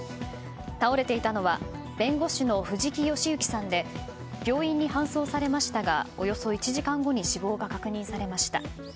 倒れていたのは弁護士に藤木賞之さんで病院に搬送されましたがおよそ１時間後に死亡が確認されました。